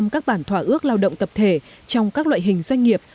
các bản thỏa ước lao động tập thể trong các loại hình doanh nghiệp